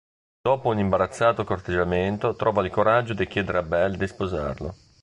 Dopo un imbarazzato corteggiamento trova il coraggio di chiedere a Bell di sposarlo.